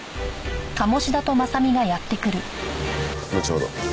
後ほど。